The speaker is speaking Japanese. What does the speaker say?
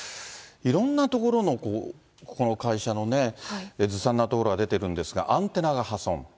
いろんなところのここの会社のね、ずさんなところが出てるんですが、アンテナが破損。